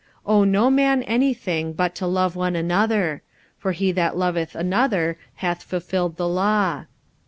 45:013:008 Owe no man any thing, but to love one another: for he that loveth another hath fulfilled the law.